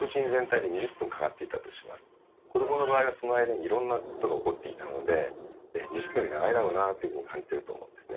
子どもの場合はその間にいろんなことが起こっていたので２０分より長いだろうなっていうふうに感じてると思うんですね。